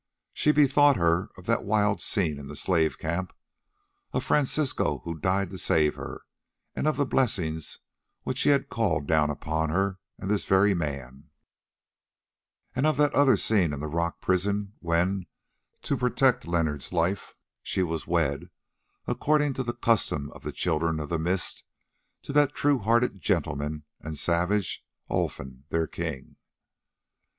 She bethought her of that wild scene in the slave camp; of Francisco who died to save her, and of the blessing which he had called down upon her and this very man; of that other scene in the rock prison, when, to protect Leonard's life, she was wed, according to the custom of the Children of the Mist, to that true hearted gentleman and savage, Olfan, their king.